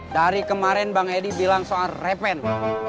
dari kemarin bang edi bilang soal reven